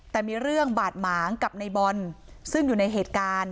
แต่มีเรื่องบาดหมางกับในบอลซึ่งอยู่ในเหตุการณ์